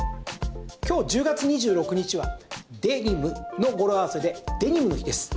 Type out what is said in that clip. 今日１０月２６日はデ、ニムの語呂合わせでデニムの日です。